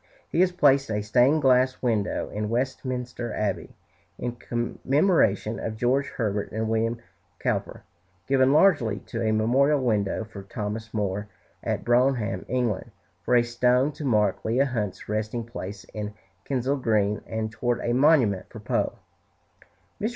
He has placed a stained glass window in Westminster Abbey, in commemoration of George Herbert and William Cowper; given largely to a memorial window for Thomas Moore at Bronham, England; for a stone to mark Leigh Hunt's resting place in Kensal Green; and toward a monument for Poe. Mr.